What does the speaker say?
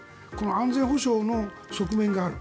安全保障の側面がある。